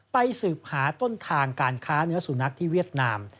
สืบหาต้นทางการค้าเนื้อสุนัขที่เวียดนาม